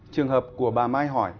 trường hợp của bà mai hỏi